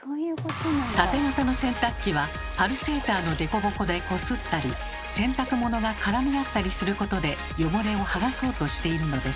タテ型の洗濯機はパルセーターの凸凹でこすったり洗濯物が絡み合ったりすることで汚れをはがそうとしているのです。